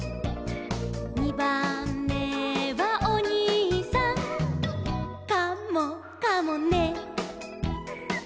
「にばんめはおにいさん」「カモかもね」